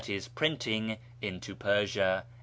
e. printing) into Persia."